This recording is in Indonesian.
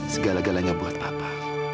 segala galanya buat papa